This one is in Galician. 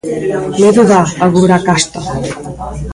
¡Medo dá agora a casta!